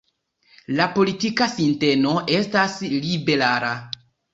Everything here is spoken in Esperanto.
La politika sinteno estas liberala.